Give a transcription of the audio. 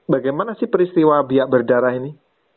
bagaimana sih peristiwa biak berdarah ini